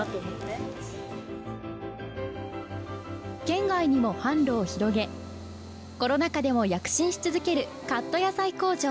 県外にも販路を広げコロナ禍でも躍進し続けるカット野菜工場。